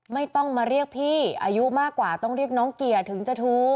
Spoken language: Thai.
ไม่ต้องมาเรียกพี่อายุมากกว่าต้องเรียกน้องเกียร์ถึงจะถูก